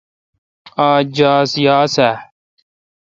آج جاز یاس آ؟